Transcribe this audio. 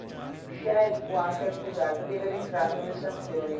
Shell fu anche accusata di aver infranto le sanzioni.